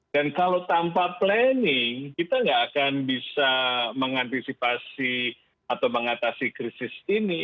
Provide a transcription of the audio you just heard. kalau tanpa planning kita nggak akan bisa mengantisipasi atau mengatasi krisis ini